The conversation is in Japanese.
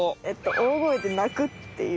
大声で泣くっていう。